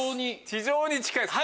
非常に近いです。